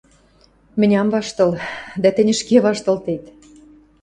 — Мӹнь ам ваштыл, дӓ тӹнь ӹшке ваштылтет: